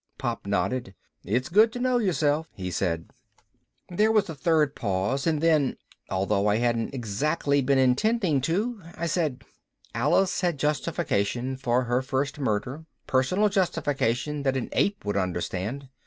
Pop nodded. "It's good to know yourself," he said. There was a third pause and then, although I hadn't exactly been intending to, I said, "Alice had justification for her first murder, personal justification that an ape would understand.